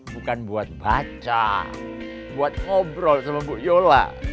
bukan buat baca buat ngobrol sama bu yola